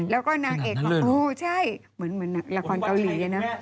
แล้วก็นางเอกบอกโอ้ใช่เหมือนละครเกาหลีนะ